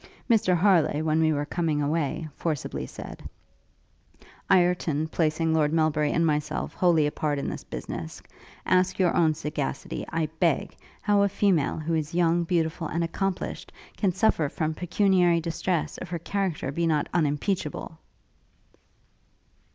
Mr Harleigh, when we were coming away, forcibly said, "Ireton, placing Lord Melbury and myself wholly apart in this business, ask your own sagacity, I beg, how a female, who is young, beautiful, and accomplished, can suffer from pecuniary distress, if her character be not unimpeachable?"